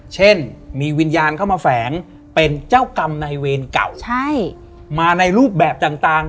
เช่นมีวิญญาณเข้ามาแฝงเป็นเจ้ากรรมในเวรเก่าใช่มาในรูปแบบต่าง